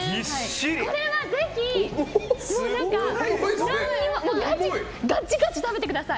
これはぜひ、ガッチガチ食べてください。